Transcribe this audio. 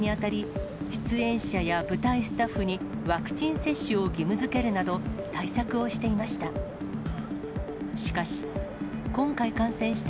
公演再開にあたり、出演者や舞台スタッフにワクチン接種を義務づけるなど、対策をしていました。